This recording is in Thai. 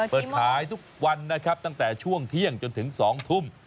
เปิดขายทุกวันนะครับตั้งแต่ช่วงเที่ยงจนถึง๒ทุ่ม